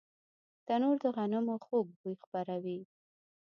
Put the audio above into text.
تنور د غنمو خوږ بوی خپروي